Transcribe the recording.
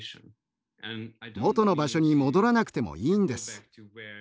元の場所に戻らなくてもいいんです。